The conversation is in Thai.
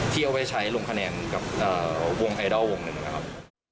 เอาไว้ใช้ลงคะแนนกับวงไอดอลวงหนึ่งนะครับ